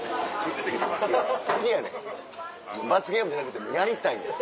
好きやねん罰ゲームじゃなくてやりたいねん。